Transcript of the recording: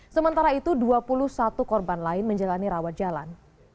sementara itu dua puluh satu korban lain menjalani rawat jalan